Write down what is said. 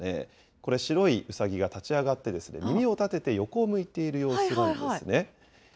これ、白いうさぎが立ち上がって、耳を立てて横を向いている様子なんですね。